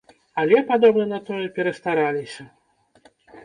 Але, падобна на тое, перастараліся.